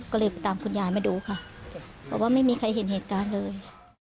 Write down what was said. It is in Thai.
ก็เลยไปตามคุณยายมาดูค่ะบอกว่าไม่มีใครเห็นเหตุการณ์เลย